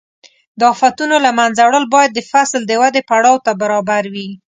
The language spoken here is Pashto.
د آفتونو له منځه وړل باید د فصل د ودې پړاو ته برابر وي.